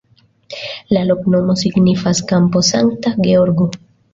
La loknomo signifas: kampo Sankta Georgo.